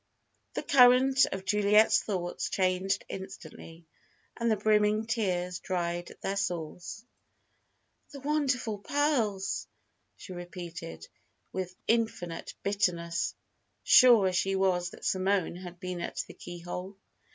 The current of Juliet's thoughts changed instantly, and the brimming tears dried at their source. "The wonderful pearls!" she repeated, with infinite bitterness, sure as she was that Simone had been at the keyhole.